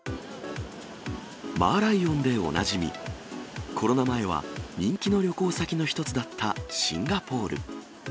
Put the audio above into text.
マーライオンでおなじみ、コロナ前は人気の旅行先の一つだったシンガポール。